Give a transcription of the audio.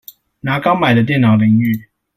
拿剛買的電腦淋雨